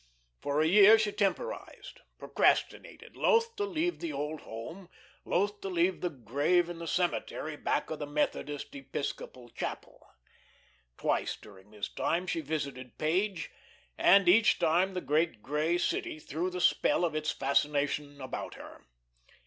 For a year she temporised, procrastinated, loth to leave the old home, loth to leave the grave in the cemetery back of the Methodist Episcopal chapel. Twice during this time she visited Page, and each time the great grey city threw the spell of its fascination about her.